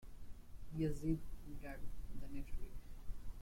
Yazid died the next week.